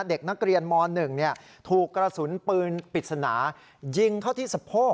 เด็กนักเรียนม๑ถูกกระสุนปืนปริศนายิงเข้าที่สะโพก